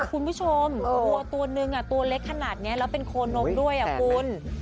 คุณผู้ชมวัวตัวนึงตัวเล็กขนาดนี้แล้วเป็นโคนมด้วยคุณ